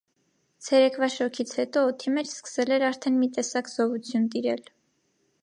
Ցերեկվա շոգից հետո օդի մեջ սկսել էր արդեն մի տեսակ զովություն տիրել: